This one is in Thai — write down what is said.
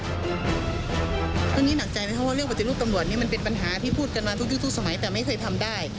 หนักใจไหมครับว่าเรื่องปฏิรูปตำรวจนี่มันเป็นปัญหาที่พูดกันมาทุกยุคทุกสมัยแต่ไม่เคยทำได้